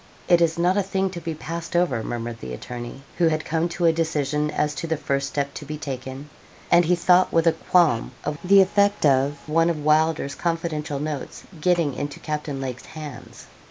'It is not a thing to be passed over,' murmured the attorney, who had come to a decision as to the first step to be taken, and he thought with a qualm of the effect of one of Wylder's confidential notes getting into Captain Lake's hands.